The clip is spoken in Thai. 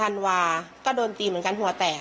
อะไรอย่างเงี้ย